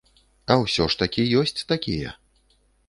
А ўсё ж такі ёсць такія.